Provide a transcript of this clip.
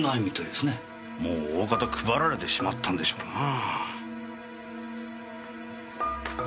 もう大方配られてしまったんでしょうなぁ。